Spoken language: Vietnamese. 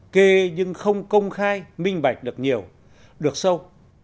kê nhưng không công khai minh bạch được nhiều được sâu